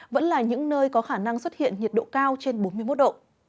vẫn là những nơi có khả năng xuất hiện nhiệt độ cao trên bốn mươi một độ